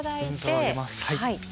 便座を上げます。